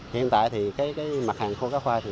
hiện tại mặt hàng khô cá khoai